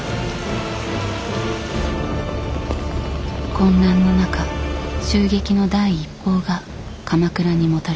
混乱の中襲撃の第一報が鎌倉にもたらされる。